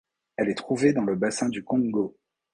Elle est trouvée dans le bassin du Congo.